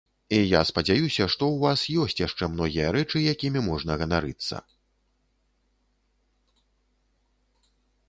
І я спадзяюся, што ў вас ёсць яшчэ многія рэчы, якімі можна ганарыцца.